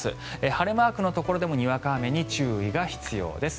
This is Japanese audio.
晴れマークのところでもにわか雨に注意が必要です。